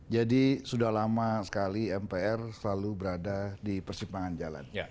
jadi sudah lama sekali mpr selalu berada di persimpangan jalan